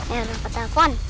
iya rafa telepon